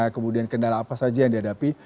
kemudian kendala apa saja yang dihadapi